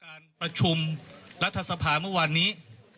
การประชุมรัฐสภาเมื่อวานนี้